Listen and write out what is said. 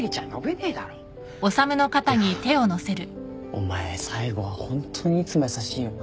お前最後はホントにいつも優しいよな。